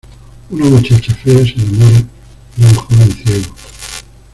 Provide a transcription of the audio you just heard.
Una muchacha fea se enamora de un joven ciego.